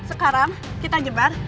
sekarang kita jebar